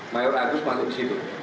mayor agus masuk ke situ